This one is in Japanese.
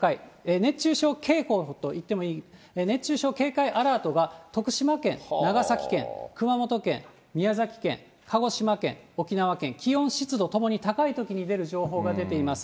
熱中症警報と言ってもいい、熱中症警戒アラートが、徳島県、長崎県、熊本県、宮崎県、鹿児島県、沖縄県、気温、湿度ともに高いときに出る情報が出ています。